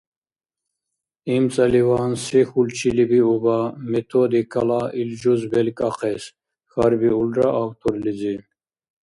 — ИмцӀаливан се хьулчилибиуба методикала ил жуз белкӀахъес? — хьарбиулра авторлизи.